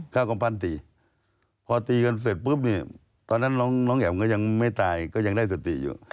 กำปั้นตีพอตีกันเสร็จปุ๊บเนี่ยตอนนั้นน้องแอ๋มก็ยังไม่ตายก็ยังได้สติอยู่